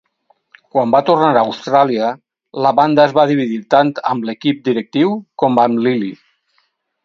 Quan va tornar a Austràlia, la banda es va dividir tant amb l"equip directiu com amb Lilley.